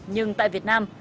nhưng tại việt nam